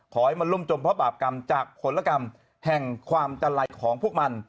ขอให้มันล่มจมพระบาปกรรมจากผลกรรมแห่งความจันไลของพวกมัน